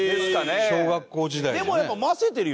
小学校時代にね。